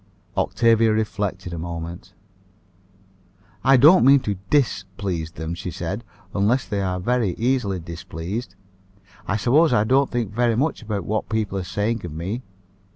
Octavia reflected a moment. "I don't mean to _dis_please them," she said, "unless they are very easily displeased. I suppose I don't think very much about what people are saying of me.